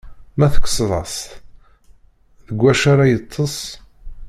Ma tekkseḍ-as-t, deg wacu ara yeṭṭeṣ?